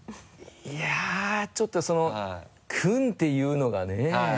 いやちょっとその「君」っていうのがね。